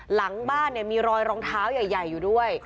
หลังบ้านมีรอยรองเท้าใหญ่อยู่ด้วย